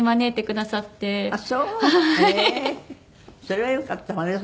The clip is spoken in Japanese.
それはよかったわね。